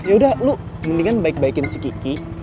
ya udah lo mendingan baik baikin si kiki